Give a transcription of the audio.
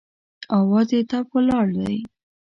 اواز یې ټپ ولاړ دی